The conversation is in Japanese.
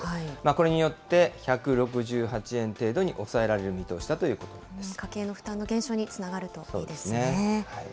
これによって、１６８円程度に抑えられる見通しだということなん家計の負担の減少につながるといいですね。